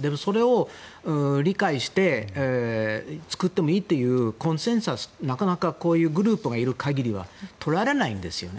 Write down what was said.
でも、それを理解して作ってもいいというコンセンサスはなかなかこういうグループがいる限りは取られないんですよね。